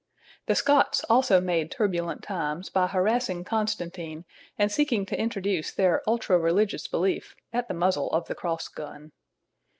The Scots also made turbulent times by harassing Constantine and seeking to introduce their ultra religious belief at the muzzle of the crossgun.